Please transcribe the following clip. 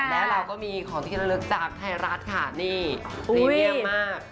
และเราก็มีของที่ละลึกจากไทยรัฐค่ะนี่พรีเมียมมาก